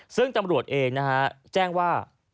ซึ่งตำรวจเองนะฮะแจ้งว่า